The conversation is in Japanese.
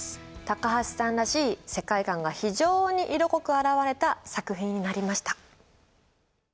高橋さんらしい世界観が非常に色濃く表れた作品になりました。